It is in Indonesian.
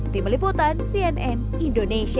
tim liputan cnn indonesia